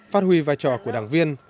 phát huy vai trò của đảng viên